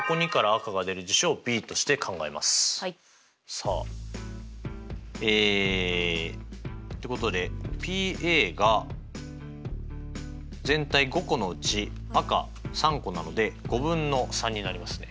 さあえってことでＰが全体５個のうち赤３個なので５分の３になりますね。